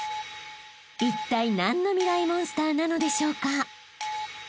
［いったい何のミライ☆モンスターなのでしょうか？］